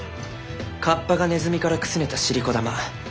河童がネズミからくすねた尻子玉。